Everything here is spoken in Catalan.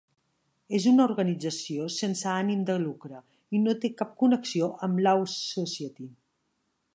És una organització sense ànim de lucre, i no té cap connexió amb Law Society.